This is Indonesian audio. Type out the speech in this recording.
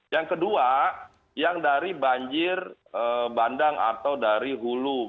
yang kedua yang dari banjir bandang atau dari hulu